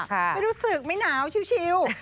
ไม่รู้สึกไม่หนาวชิว